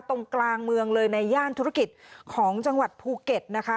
ตรงกลางเมืองเลยในย่านธุรกิจของจังหวัดภูเก็ตนะคะ